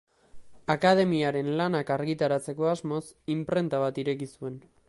Akademiaren lanak argitaratzeko asmoz inprenta bat ireki zuen.